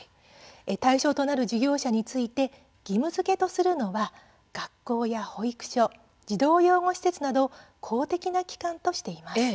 対象となる事業者について義務づけとするのは学校や保育所児童養護施設など公的な機関としています。